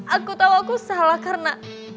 aku tahu aku salah karena